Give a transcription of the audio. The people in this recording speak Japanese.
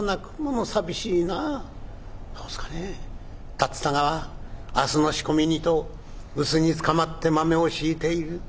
「竜田川明日の仕込みにと臼につかまって豆を挽いている。